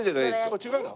あっ違うんだ。